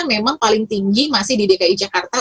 memang paling tinggi masih di dki jakarta